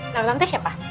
nama tante siapa